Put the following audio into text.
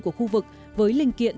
của khu vực với linh kiện